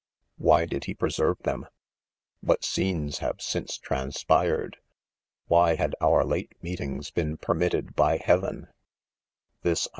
Why did he preserve them 1— What scenes have since trans pired 1— Why had our late meetings been per mitted by heaven V * This I